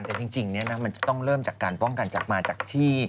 แต่จริงมันจะต้องเริ่มจากการป้องกันจากมาจากที่